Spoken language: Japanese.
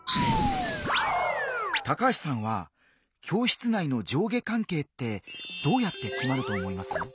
高橋さんは教室内の上下関係ってどうやって決まると思います？